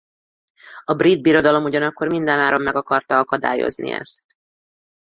A brit birodalom ugyanakkor minden áron meg akarta akadályozni ezt.